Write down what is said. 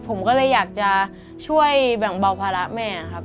ผมก็เลยอยากจะช่วยแบ่งเบาภาระแม่ครับ